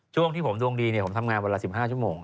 ช่วงที่ผมดวงดีเนี่ยผมทำงานเวลา๑๕ชั่วโมง